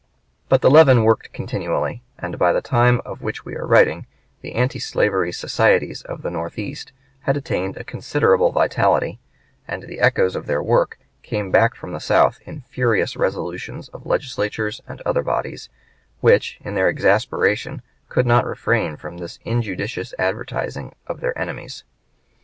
But the leaven worked continually, and by the time of which we are writing the antislavery societies of the North east had attained a considerable vitality, and the echoes of their work came back from the South in furious resolutions of legislatures and other bodies, which, in their exasperation, could not refrain from this injudicious advertising of their enemies.